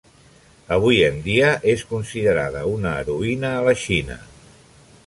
Avui en dia és considerada una heroïna a la Xina.